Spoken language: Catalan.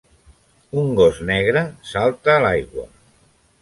Un gos negre salta a l'aigua.